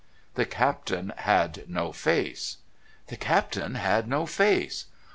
The Captain had no face... The Captain had no face...